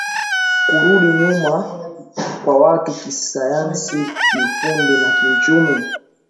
kurudi nyuma kwa watu kisayansi kiufundi na kiuchumi